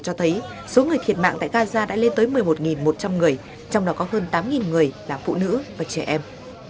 cho thấy số người thiệt mạng tại gaza đã lên tới một mươi một một trăm linh người trong đó có hơn tám người là phụ nữ và trẻ em